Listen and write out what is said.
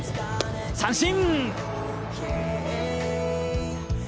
三振！